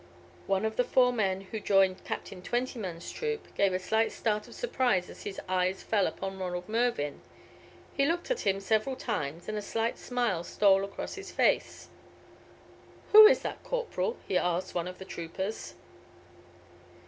One of the four men who joined Captain Twentyman's troop gave a slight start of surprise as his eyes fell upon Ronald Mervyn. He looked at him several times, and a slight smile stole across his face. "Who is that corporal?" he asked one of the troopers.